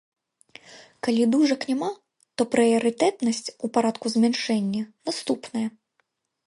Калі дужак няма, то прыярытэтнасць, у парадку змяншэння, наступная.